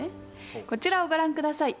こちらをご覧ください。